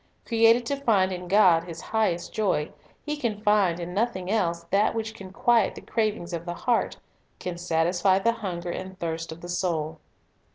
Created to find in God his Mental and Spiritual Culture 125 highest joy, he can find in nothing else that which can quiet the cravings of the heart, can satisfy the hunger and thirst of the soul.